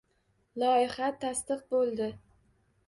Loyiha tasdiq bo‘ldi.